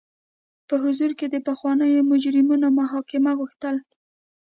په حضور کې د پخوانیو مجرمینو محاکمه غوښتل.